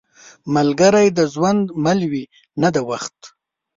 ملګری د ژوند مل وي، نه د وخت.